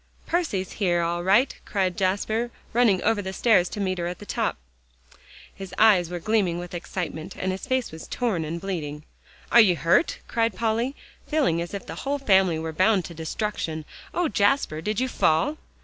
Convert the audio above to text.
"Percy's here all right!" cried Jasper, running over the stairs to meet her at the top. His eyes were gleaming with excitement, and his face was torn and bleeding. "Are you hurt?" cried Polly, feeling as if the whole family were bound to destruction. "Oh, Jasper! did you fall?"